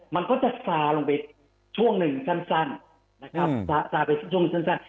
มันก็จะซาลงไปช่วงหนึ่งสั้นนะครับซาไปช่วงสั้น